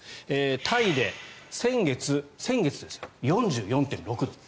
タイで先月ですよ、４４．６度。